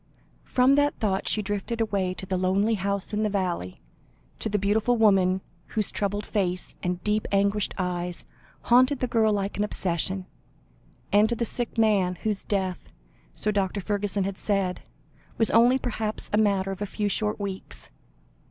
From that thought, she drifted away to the lonely house in the valley, to the beautiful woman whose troubled face and deep, anguished eyes haunted the girl like an obsession, and to the sick man, whose death, so Dr. Fergusson had said, was only perhaps a matter of a few short weeks.